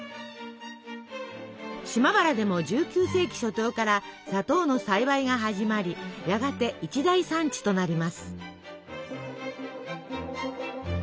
島原でも１９世紀初頭から砂糖の栽培が始まりやがて一大産地となります。